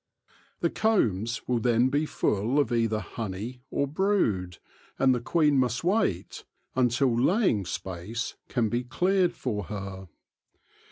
The combs will then be full of either honey or brood, and the queen must wait until laying space can be cleared for her.